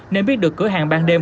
nên biết được cửa hàng ban đêm